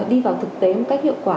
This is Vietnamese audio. đi vào thực tế một cách hiệu quả